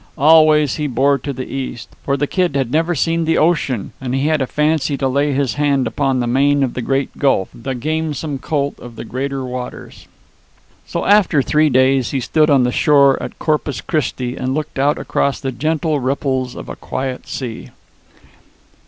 Always he bore to the east; for the Kid had never seen the ocean, and he had a fancy to lay his hand upon the mane of the great Gulf, the gamesome colt of the greater waters. So after three days he stood on the shore at Corpus Christi, and looked out across the gentle ripples of a quiet sea.